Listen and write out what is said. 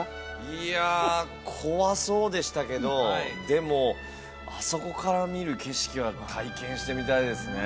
いや怖そうでしたけどでもあそこから見る景色は体験してみたいですね